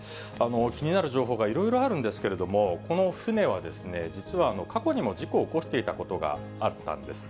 気になる情報がいろいろあるんですけれども、この船はですね、実は過去にも事故を起こしていたことがあったんです。